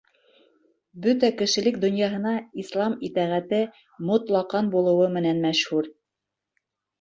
—...Бөтә кешелек донъяһына ислам итәғәте мотлаҡан булыуы менән мәшһүр.